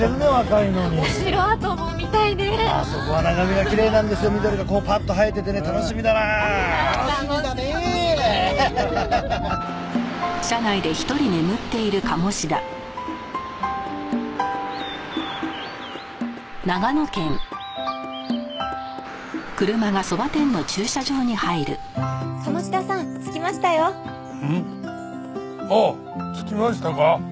ああ着きましたか。